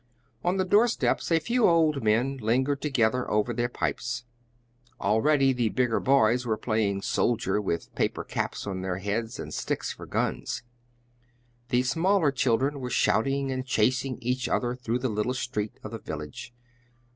On the doorsteps a few old men lingered together over their pipes. Already the bigger boys were playing soldier, with paper caps on their heads, and sticks for guns. The smaller children were shouting and chasing each other through the little street of the village.